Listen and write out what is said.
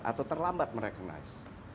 atau terlambat merekognize